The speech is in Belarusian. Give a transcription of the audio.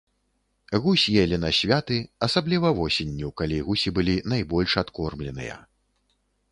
Гусь елі на святы, асабліва восенню, калі гусі былі найбольш адкормленыя.